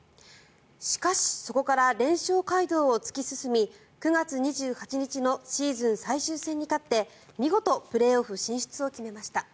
しかしそこから連勝街道を突き進み９月２８日のシーズン最終戦に勝って見事プレーオフ進出を決めました。